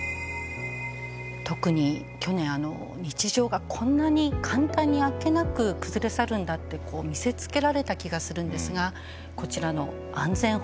特に去年あの日常がこんなに簡単にあっけなく崩れ去るんだってこう見せつけられた気がするんですがこちらの安全保障。